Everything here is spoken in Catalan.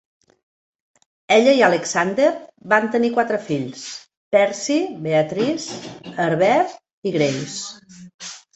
Ella i Alexander van tenir quatre fills: Percy, Beatrice, Herbert i Grace.